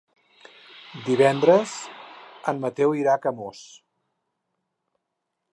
Divendres en Mateu irà a Camós.